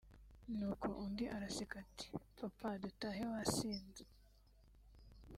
nuko undi araseka ati “Papa dutahe wasinze”